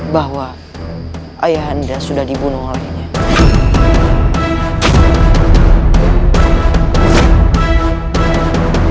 bahwa ayah anda sudah dibunuh olehnya